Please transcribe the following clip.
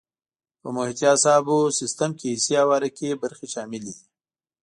په محیطي اعصابو سیستم کې حسي او حرکي برخې شاملې دي.